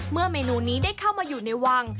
เมนูนี้ได้เข้ามาอยู่ในวัง